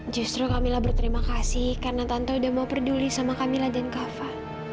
justru kamila berterima kasih karena tante udah mau peduli sama kamila dan kava